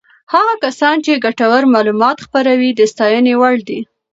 هغه کسان چې ګټور معلومات خپروي د ستاینې وړ دي.